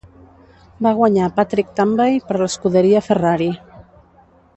Va guanyar Patrick Tambay per l'escuderia Ferrari.